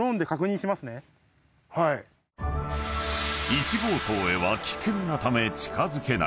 ［１号棟へは危険なため近づけない］